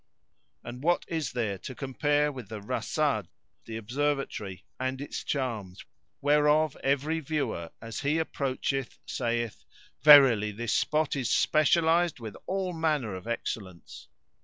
And what is there to compare with the Rasad, the Observatory, and its charms whereof every viewer as he approacheth saith, 'Verily this spot is specialised with all manner of excellence!'